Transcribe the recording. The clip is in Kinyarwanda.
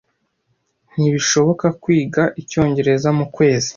Ntibishoboka kwiga icyongereza mukwezi.